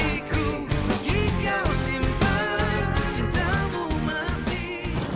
meski kau simpan cintamu masih tak pernah